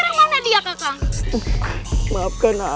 apa yang kamu lakukan